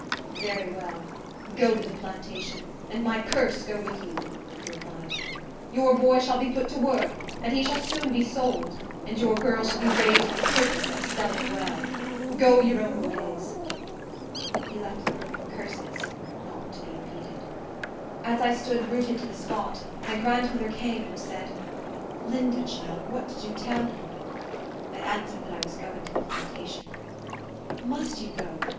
"Very well. Go to the plantation, and my curse go with you," he replied. "Your boy shall be put to work, and he shall soon be sold; and your girl shall be raised for the purpose of selling well. Go your own ways!" He left the room with curses, not to be repeated. As I stood rooted to the spot, my grandmother came and said, "Linda, child, what did you tell him?" I answered that I was going to the plantation. "Must you go?"